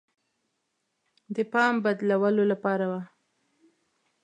د پام بدلولو لپاره وه.